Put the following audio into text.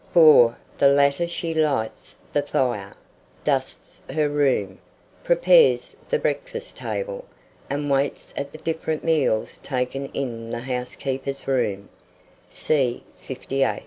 For the latter she lights the fire, dusts her room, prepares the breakfast table, and waits at the different meals taken in the housekeeper's room (see 58).